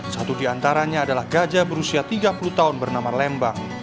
satu di antaranya adalah gajah berusia tiga puluh tahun bernama lembang